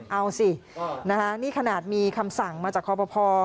เอาสินี่ขนาดมีคำสั่งมาจากครอบครัวพอ